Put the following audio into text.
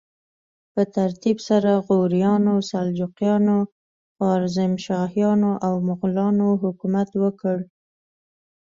په ترتیب سره غوریانو، سلجوقیانو، خوارزمشاهیانو او مغولانو حکومت وکړ.